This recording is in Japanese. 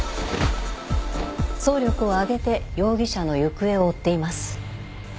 総力を挙げて容疑者の行方を追っています。